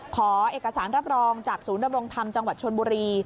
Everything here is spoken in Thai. ขอเอกสารรับรองจากศูนย์ดำรงธรรมจังหวัดชนบุรี